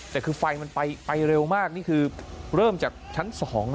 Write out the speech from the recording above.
แต่คือไฟมันไปเร็วมากนี่คือเริ่มจากชั้น๒